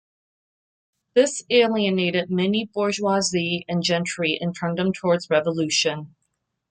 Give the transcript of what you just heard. This alienated many bourgeoisie and gentry and turned them towards revolution.